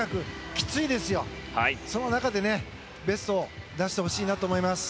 きついですよ、その中でベストを出してほしいと思います。